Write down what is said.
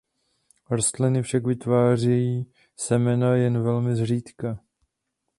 Rostliny však vytvářejí semena jen velmi zřídka.